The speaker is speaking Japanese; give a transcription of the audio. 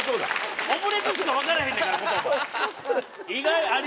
オムレツしか分からへんねんから言葉。